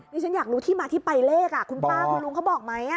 ฉันอยากรู้ที่มาที่ไปเลขคุณป้าคุณลุงเขาบอกไหม